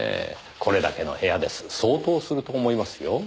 これだけの部屋です相当すると思いますよ。